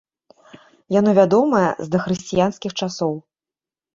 Яно вядомае з дахрысціянскіх часоў.